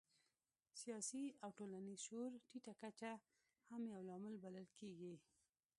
سیاسي او ټولنیز شعور ټیټه کچه هم یو لامل بلل کېږي.